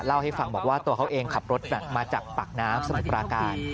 เล่าให้ฟังบอกว่าตัวเขาเองขับรถมาจากปากน้ำสมุทรปราการ